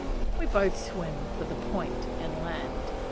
We both swim for the point, and land.